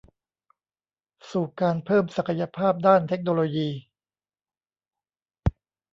สู่การเพิ่มศักยภาพด้านเทคโนโลยี